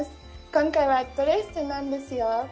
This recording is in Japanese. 今回は、ドレスデンなんですよ。